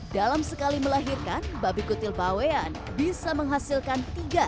dalam sekali melahirkan babi kutil bawean bisa menghasilkan tiga hingga empat anak